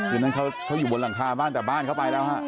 คือนั่นเขาอยู่บนหลังคาบ้านแต่บ้านเขาไปแล้วฮะ